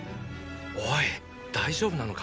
おい大丈夫なのか？